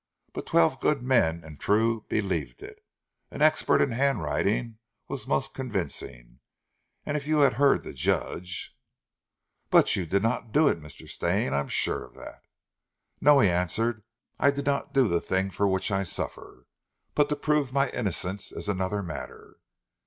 But twelve good men and true believed it; an expert in handwriting was most convincing, and if you had heard the judge " "But you did not do it, Mr. Stane, I am sure of that." "No," he answered, "I did not do the thing for which I suffered. But to prove my innocence is another matter."